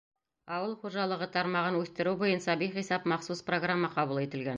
Ауыл хужалығы тармағын үҫтереү буйынса бихисап махсус программа ҡабул ителгән.